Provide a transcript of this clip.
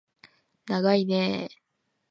ながいねー